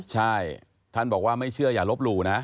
ใช่ท่านบอกว่าไม่เชื่ออย่าลบหลู่นะ